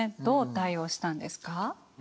どう対応したんですか？